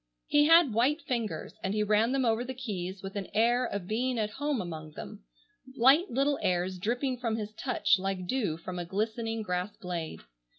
He had white fingers, and he ran them over the keys with an air of being at home among them, light little airs dripping from his touch like dew from a glistening grass blade.